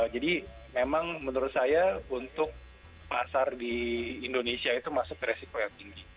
jadi memang menurut saya untuk pasar di indonesia itu masuk ke risiko yang tinggi